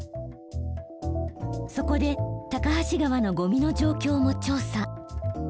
そこで高梁川のゴミの状況も調査。